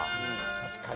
確かに。